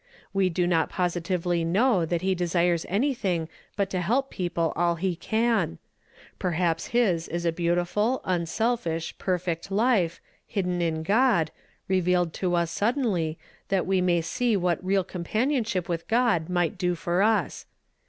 We do not positively kii. w that he desires anything but to help people all he can. Perhaps his is a beautiful, unselfisli, perfect life, iiidden in God, revealed to us suddenly that we may see what real companionship with God might m ;if ii| 96 YESTERDAY FIIAMEI) IN TO DAY. tlo for us.